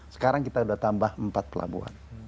sekarang kita sudah tambah empat pelabuhan